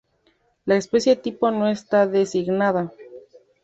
La especie tipo no está designada.